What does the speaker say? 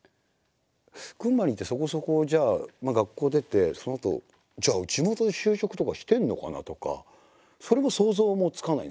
群馬にいてそこそこじゃあ学校出てそのあとじゃあ地元で就職とかしてんのかなとかそれも想像もつかないんですよ。